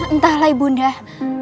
entahlah ibu undah